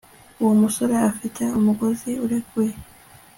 uwo musore afite umugozi urekuye